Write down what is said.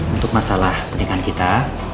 untuk masalah pernikahan kita